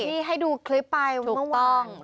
ที่ให้ดูคลิปป่ะทุกวันนี่